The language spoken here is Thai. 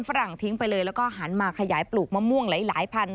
ฝรั่งทิ้งไปเลยแล้วก็หันมาขยายปลูกมะม่วงหลายพัน